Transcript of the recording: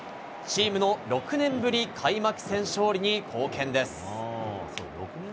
チームの６年ぶり開幕戦勝利に貢献です。